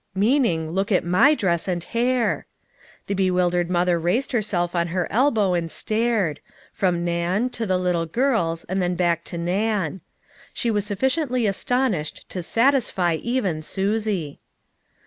Mean ing look at my dress and hair. The bewildered mother raised herself on her elbow and stared from Nan to the little girls, and then back to Nan. She was sufficiently astonished to satisfy even Susie.